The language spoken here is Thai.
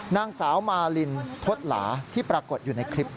นางสาวมาลินทศหลาที่ปรากฏอยู่ในคลิป